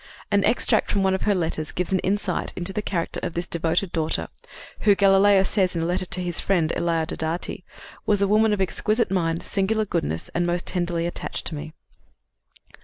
An extract from one of her letters gives an insight into the character of this devoted daughter, who, Galileo says in a letter to his friend, Elia Diodati, "was a woman of exquisite mind, singular goodness and most tenderly attached to me."